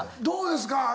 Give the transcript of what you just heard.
どうですか？